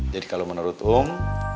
jadi kalo menurut om